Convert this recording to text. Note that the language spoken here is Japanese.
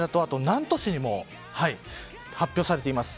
南砺市にも発表されています。